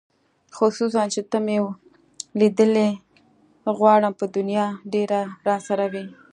خصوصاً چې ته مې لیدلې غواړم په دې دنیا ډېره راسره وې